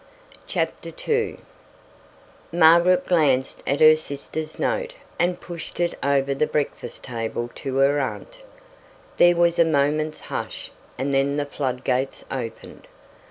Chapter 2 Margaret glanced at her sister's note and pushed it over the breakfast table to her aunt. There was a moment's hush, and then the flood gates opened.